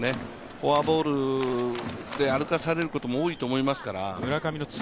フォアボールで歩かされることも多いと思いますから。